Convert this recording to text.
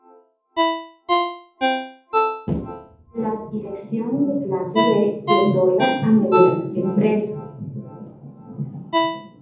Las direcciones de clase B se otorgan a medianas empresas.